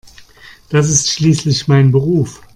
Das ist schließlich mein Beruf.